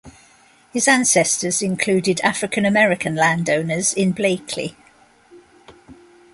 His ancestors included African-American landowners in Blakely.